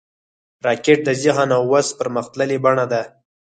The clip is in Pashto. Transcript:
راکټ د ذهن او وس پرمختللې بڼه ده